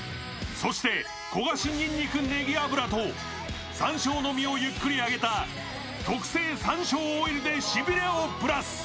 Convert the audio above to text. そして焦がしにんにくねぎ油と山椒の実をゆっくり揚げた特製山椒オイルでしびれをプラス。